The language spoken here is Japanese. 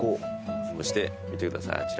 そして見てください